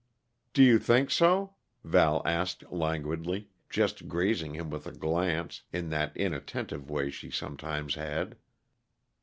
"Do you think so?" Val asked languidly, just grazing him with a glance, in that inattentive way she sometimes had.